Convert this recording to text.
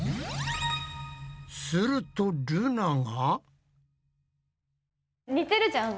するとルナが。